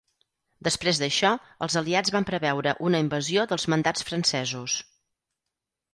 Després d'això, els aliats van preveure una invasió dels mandats francesos.